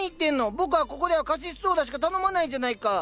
僕はここではカシスソーダしか頼まないじゃないか。